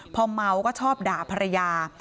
พอเมาก็ชอบด่าภรรยา